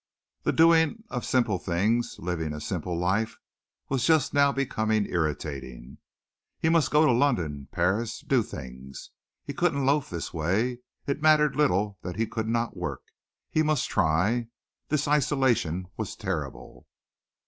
The doing of simple things, living a simple life, was just now becoming irritating. He must go to London, Paris do things. He couldn't loaf this way. It mattered little that he could not work. He must try. This isolation was terrible.